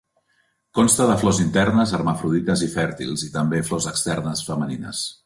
Consta de flors internes hermafrodites i fèrtils, i també flors externes femenines.